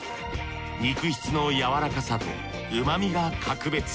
肉質のやわらかさと旨みが格別。